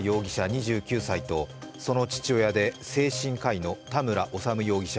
２９歳とその父親で精神科医の田村修容疑者